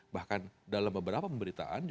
bahkan dalam beberapa pemberitaan